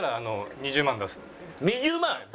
２０万！？倍。